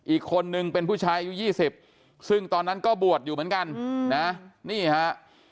อีกคนนึงเป็นผู้ชายอายุ๒๐ซึ่งตอนนั้นก็บวชอยู่เหมือนกันนะนี่ฮะ